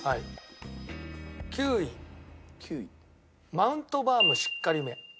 マウントバームしっかり芽。